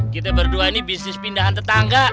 kita berdua ini bisnis pindahan tetangga